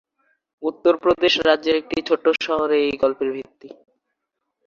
উত্তরপ্রদেশ রাজ্যের একটি ছোট্ট শহরে এই গল্পের ভিত্তি।